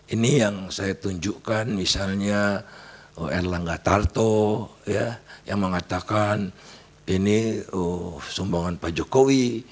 ini yang saya tunjukkan misalnya erlangga tarto yang mengatakan ini sumbangan pak jokowi